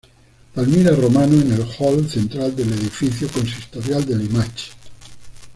Palmira Romano en el hall central del edificio consistorial de Limache.